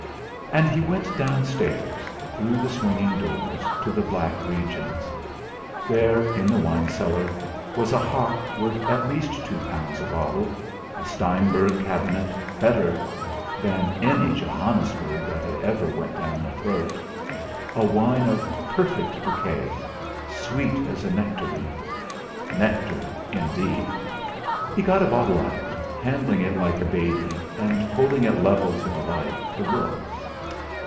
And he went downstairs, through the swinging doors, to the back regions. There, in the wine cellar, was a hock worth at least two pounds a bottle, a Steinberg Cabinet, better than any Johannisberg that ever went down throat; a wine of perfect bouquet, sweet as a nectarine nectar indeed! He got a bottle out, handling it like a baby, and holding it level to the light, to look.